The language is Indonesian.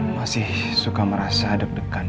saya masih suka merasa deg degan